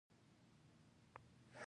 سورلۍ کې ډېر ماهر وو.